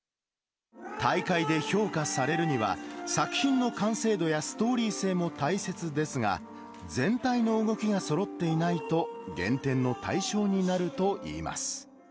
大会で評価されるには、作品の完成度やストーリー性も大切ですが、全体の動きがそろっていないと、減点の対象になるといいます。